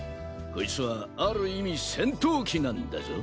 こいつはある意味戦闘機なんだぞ。